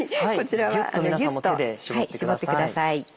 ギュっと皆さんも手で搾ってください。